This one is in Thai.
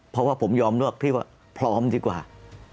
เพราะว่าผมยอมเลือกพี่ว่าพร้อมดีกว่า